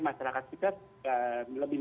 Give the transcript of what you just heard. masyarakat kita dipinteri begitu